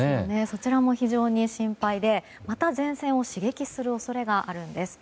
そちらも非常に心配でまた前線を刺激する恐れがあるんです。